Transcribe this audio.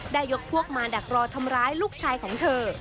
ยกพวกมาดักรอทำร้ายลูกชายของเธอ